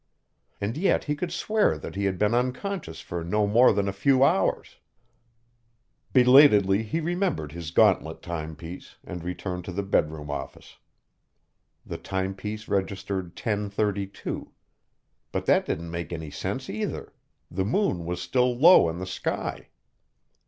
And yet he could swear that he had been unconscious for no more than a few hours. Belatedly, he remembered his gauntlet timepiece, and returned to the bedroom office. The timepiece registered 10:32. But that didn't make any sense either: the moon was still low in the sky.